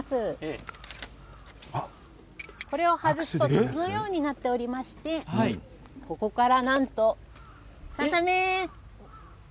これを外すとこのようになっていましてここからなんとささめ。